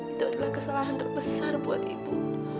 itu adalah kesalahan terbesar buat ibu